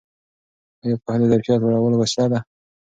ایا پوهه د ظرفیت لوړولو وسیله ده؟